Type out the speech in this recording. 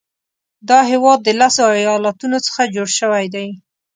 دا هیواد د لسو ایالاتونو څخه جوړ شوی دی.